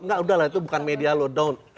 enggak udah lah itu bukan media lo down